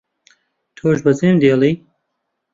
تۆش بەجێم دێڵی